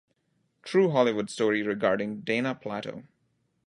True Hollywood Story regarding Dana Plato.